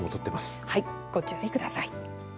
ご注意ください。